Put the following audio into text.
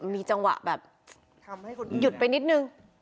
มีจังหวะแบบยืดไปนิดนึง